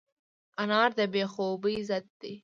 انار د بې خوبۍ ضد دی.